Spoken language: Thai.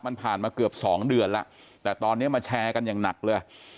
มันผ่านมาเกือบสองเดือนแล้วแต่ตอนนี้มาแชร์กันอย่างหนักเลย